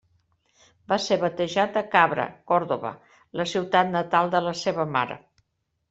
Va ser batejat a Cabra, Còrdova, la ciutat natal de la seva mare.